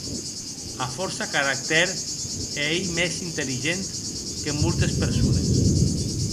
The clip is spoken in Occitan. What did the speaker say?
A fòrça caractèr, e ei mès intelligent que moltes persones.